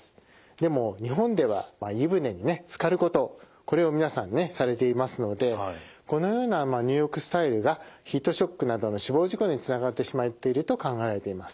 でも日本では湯船につかることこれを皆さんされていますのでこのような入浴スタイルがヒートショックなどの死亡事故につながってしまっていると考えられています。